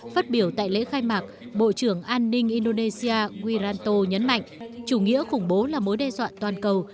phát biểu tại lễ khai mạc bộ trưởng an ninh indonesia wiranto nhấn mạnh chủ nghĩa khủng bố là mối đe dọa toàn cầu